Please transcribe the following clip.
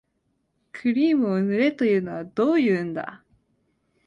クリームを塗れというのはどういうんだ